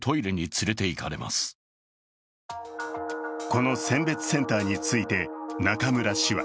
この選別センターについて中村氏は